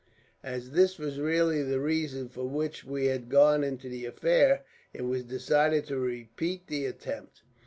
"As this was really the reason for which we had gone into the affair, it was decided to repeat the attempt.